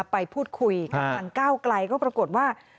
ไปพูดคุยกับทางก้าวไกลก็ปรากฏว่า